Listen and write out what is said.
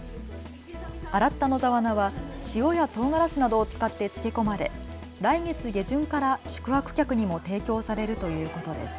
洗った野沢菜は塩やとうがらしなどを使って漬け込まれ来月下旬から宿泊客にも提供されるということです。